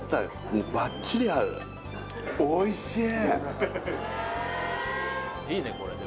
もうバッチリ合うおいしい！